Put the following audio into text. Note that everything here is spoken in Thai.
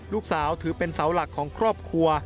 ลูกสาวถือเป็นเสาหลักของครอบครัว